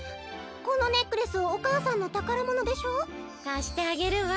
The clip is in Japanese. このネックレスお母さんのたからものでしょ？かしてあげるわ。